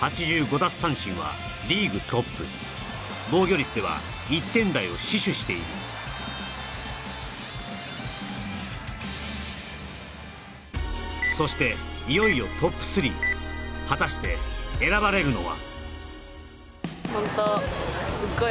奪三振はリーグトップ防御率では１点台を死守しているそしていよいよトップ３果たして選ばれるのは？